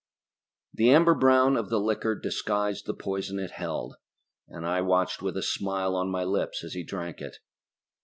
The amber brown of the liquor disguised the poison it held, and I watched with a smile on my lips as he drank it.